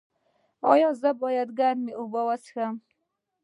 ایا زه باید ګرمې اوبه وڅښم؟